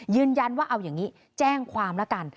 ยืนยันว่าเอาอย่างนี้แจ้งความละกัน